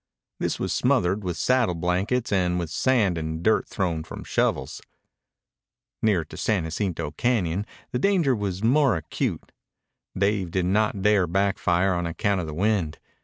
This was smothered with saddle blankets and with sand and dirt thrown from shovels. Nearer to San Jacinto Cañon the danger was more acute. Dave did not dare back fire on account of the wind.